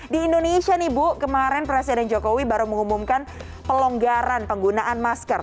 di indonesia nih bu kemarin presiden jokowi baru mengumumkan pelonggaran penggunaan masker